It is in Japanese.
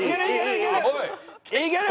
いける！